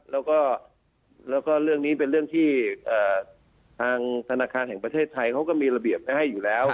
แล้วก็เรื่องนี้เป็นเรื่องที่ทางธนาคารแห่งประเทศไทยเขาก็มีระเบียบไว้ให้อยู่แล้ว